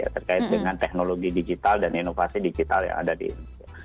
terkait dengan teknologi digital dan inovasi digital yang ada di indonesia